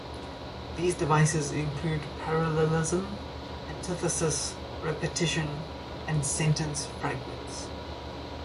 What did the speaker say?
These devices include parallelism, antithesis, repetition, and sentence fragments.